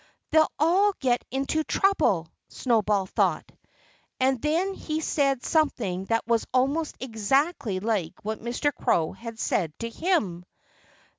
"They'll all get into trouble," Snowball thought. And then he said something that was almost exactly like what Mr. Crow had said to him.